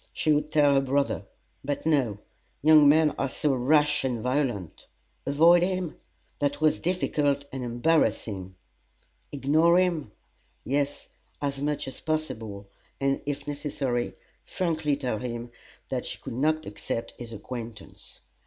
She would tell her brother; but no young men are so rash and violent. Avoid him? That was difficult and embarrassing. Ignore him? Yes, as much as possible, and, if necessary, frankly tell him that she could not accept his acquaintance.